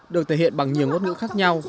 được thể hiện bằng nhiều ngốt ngữ khác nhau